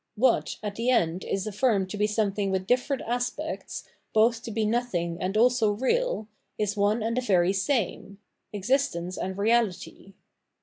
What, at the end, is afarmed to be something with different aspects, both to be nothing and also real, is one and the very same existence and reality.